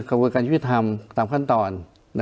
กระบวนการวิทธิภาพตามขั้นตอน